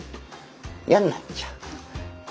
嫌になっちゃう。